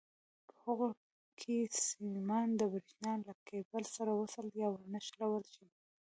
په هغو کې سیمان د برېښنا له کېبل سره وصل یا ونښلول شي.